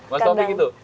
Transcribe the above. mas taufik itu